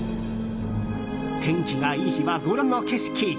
天気がいい日は、ご覧の景色。